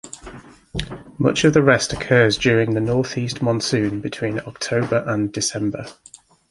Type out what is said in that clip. Much of the rest occurs during the northeast monsoon between October and December.